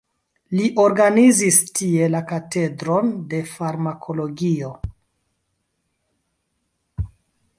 Li organizis tie la katedron de farmakologio.